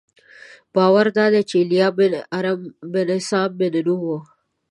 باور دادی چې ایلیا بن ارم بن سام بن نوح و.